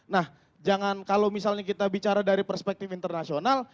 nah jangan kalau misalnya kita bicara dari perspektif internasional